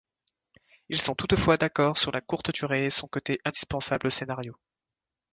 Ils sont toutefois d'accord sur la courte durée et son côté dispensable au scénario.